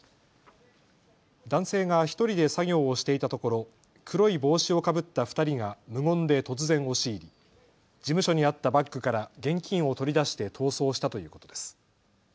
男性が１人で作業をしていたところ黒い帽子をかぶった２人が無言で突然押し入り、事務所にあったバッグから現金を取り出して逃走したということです。